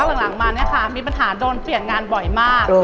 หลังมาเนี่ยค่ะมีปัญหาโดนเปลี่ยนงานบ่อยมาก